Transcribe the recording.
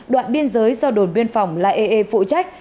đoạn biên giới do đồn biên phòng laee phụ trách